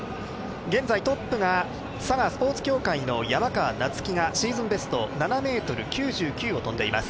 現在、トップは佐賀スポーツ協会の山川夏輝が７ｍ９９を跳んでいます。